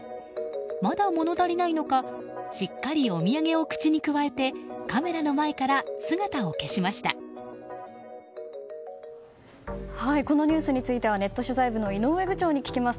まだ物足りないのかしっかりお土産を口にくわえてこのニュースについてはネット取材部の井上部長に聞きます。